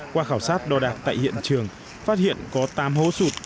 qua khảo sát đo đạc tại hiện trường phát hiện có tám hố sụt